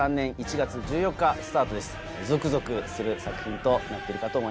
ゾクゾクする作品となってるかと思います。